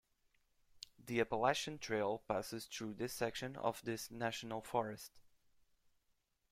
The Appalachian Trail passes through this section of this National Forest.